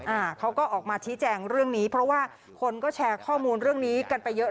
อ่าเขาก็ออกมาชี้แจงเรื่องนี้เพราะว่าคนก็แชร์ข้อมูลเรื่องนี้กันไปเยอะ